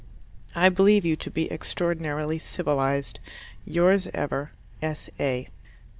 I believe you to be extraordinarily civilized. Yours ever, S.A.